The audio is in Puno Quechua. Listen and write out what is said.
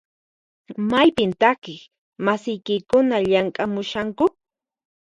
Maypin takiq masiykikuna llamk'amushanku?